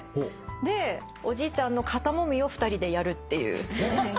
でおじいちゃんの肩もみを２人でやるっていう。